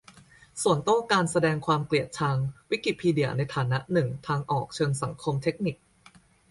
สวนโต้การแสดงความเกลียดชัง : วิกิพีเดียในฐานะหนึ่งทางออกเชิงสังคม-เทคนิค ?